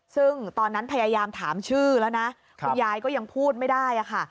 ซึ่งตอนนั้นพยายามถามชื่อแล้วนะคุณยายก็ยังพูดไม่ได้ค่ะ